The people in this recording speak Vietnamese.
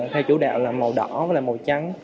theo chủ đạo là màu đỏ và màu trắng